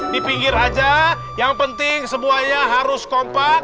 di pinggir aja yang penting semuanya harus kompak